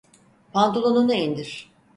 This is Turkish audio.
Pantolonunu indir.